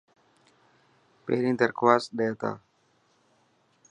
پهرين درخواست ڏي تا.